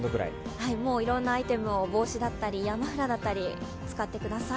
いろんなアイテムを帽子だったり、イヤマフだったり使ってください。